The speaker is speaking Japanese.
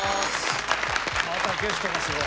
またゲストがすごい。